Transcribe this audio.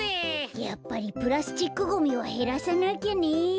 やっぱりプラスチックゴミはへらさなきゃね。